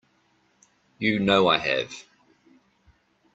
You know I have.